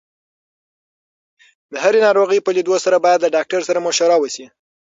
د هرې ناروغۍ په لیدو سره باید له ډاکټر سره مشوره وشي.